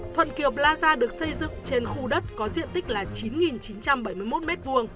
thuận kiệp plaza được xây dựng trên khu đất có diện tích là chín chín trăm bảy mươi một m hai